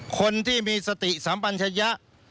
คนที่มีสติสัมปัญชยะ